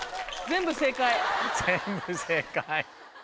全部正解。